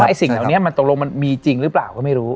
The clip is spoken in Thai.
สิ่งเหล่านี้มันตกลงมันมีจริงหรือเปล่าก็ไม่รู้